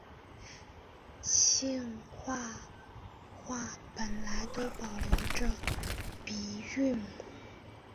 兴化话本来都保留着的鼻韵母。